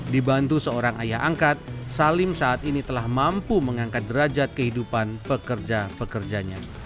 dibantu seorang ayah angkat salim saat ini telah mampu mengangkat derajat kehidupan pekerja pekerjanya